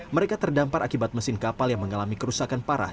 mereka terdampar akibat mesin kapal yang mengalami kerusakan parah